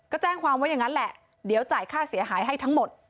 ก็แจ้งความไว้อย่างนั้นแหละเดี๋ยวจ่ายค่าเสียหายให้ทั้งหมด